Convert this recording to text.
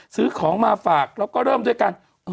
ซื้อของมาฝากแล้วก็เริ่มด้วยกัน